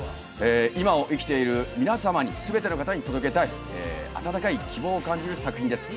今を生きている皆様に全ての方に届けたい温かい希望を感じる作品です